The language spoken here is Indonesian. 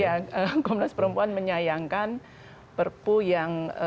ya komnas perempuan menyayangkan perpu yang